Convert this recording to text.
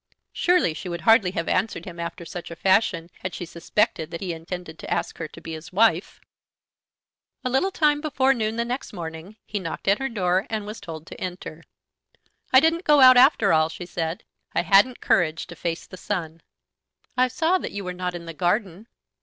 Surely she would hardly have answered him after such a fashion had she suspected that he intended to ask her to be his wife. At a little before noon the next morning he knocked at her door, and was told to enter. "I didn't go out after all," she said. "I hadn't courage to face the sun." "I saw that you were not in the garden."